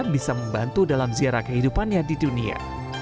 bisa membantu dalam ziarah kehidupannya di dunia